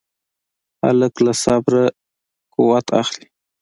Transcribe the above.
هلک له صبر نه قوت اخلي.